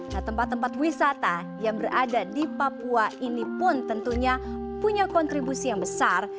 nah tempat tempat wisata yang berada di papua ini pun tentunya punya kontribusi yang besar